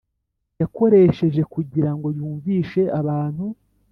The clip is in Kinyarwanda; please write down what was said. yakoresheje kugira ngo yumvishe abantu